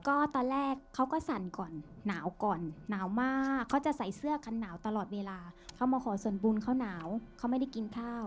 ก็ตอนแรกเขาก็สั่นก่อนหนาวก่อนหนาวมากเขาจะใส่เสื้อคันหนาวตลอดเวลาเขามาขอส่วนบุญเขาหนาวเขาไม่ได้กินข้าว